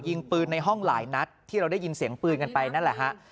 ยิงปืนในห้องหลายนัดที่เราได้ยินเสียงปืนกันไปนั่นแหละฮะ